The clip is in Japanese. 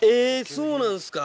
そうなんすか？